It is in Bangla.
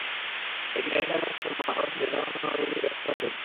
একটি গাড়ির চালককে মাতাল অবস্থায় গাড়ি চালানোর অভিযোগে গ্রেপ্তার করা হয়েছে।